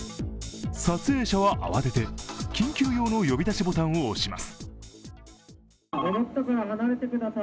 撮影者は慌てて、緊急用の呼び出しボタンを押します。